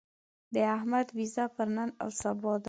د احمد وېزه پر نن او سبا ده.